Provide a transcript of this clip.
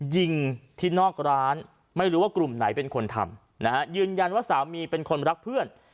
ยิงที่นอกร้านไม่รู้ว่ากลุ่มไหนเป็นคนทำนะฮะยืนยันว่าสามีเป็นคนรักเพื่อน